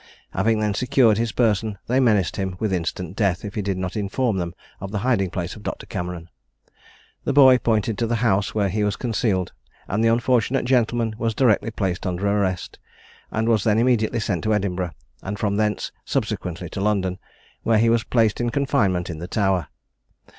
Having then secured his person, they menaced him with instant death if he did not inform them of the hiding place of Dr. Cameron. The boy pointed to the house where he was concealed, and the unfortunate gentleman was directly placed under arrest, and was then immediately sent to Edinburgh, and from thence subsequently to London, where he was placed in confinement in the Tower.